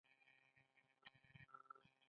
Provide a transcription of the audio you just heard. آیا افغان ماشومان هلته زده کړې نه کوي؟